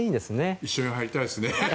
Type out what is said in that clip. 一緒に入りたいですね。